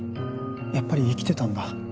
やっぱり生きてたんだ。